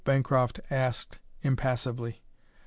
Bancroft asked, impassively.